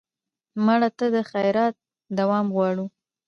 مړه ته د خیرات دوام غواړو